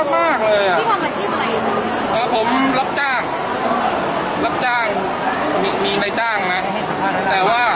ไม่ถึงว่าเดือดร้อนมากเลยอ่ะผมรับจ้างรับจ้างมีในจ้างมั้ยแต่ว่า